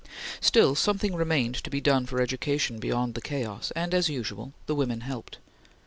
Still something remained to be done for education beyond the chaos, and as usual the woman helped.